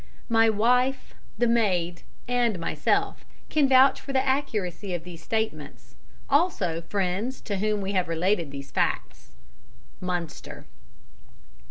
My wife, the maid, and myself can vouch for the accuracy of these statements, also friends to whom we have related these facts. "MUNSTER."